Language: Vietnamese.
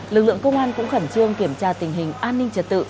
lực lượng công an cũng khẩn trương kiểm tra tình hình an ninh trật tự